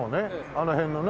あの辺のね。